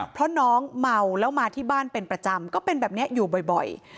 เพราะน้องเมาแล้วมาที่บ้านเป็นประจำก็เป็นแบบนี้อยู่บ่อย